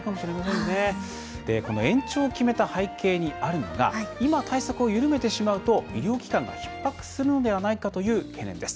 延長を決めた背景にあるのが今、対策を緩めてしまうと医療機関がひっ迫するのではないかという懸念です。